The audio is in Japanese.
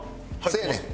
せやねん。